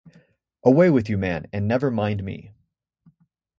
Away with you, man, and never mind me.